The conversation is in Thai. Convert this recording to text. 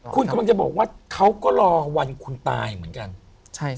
คุณกำลังจะบอกว่าเขาก็รอวันคุณตายเหมือนกัน